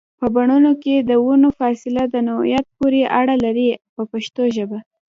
په بڼونو کې د ونو فاصله د نوعیت پورې اړه لري په پښتو ژبه.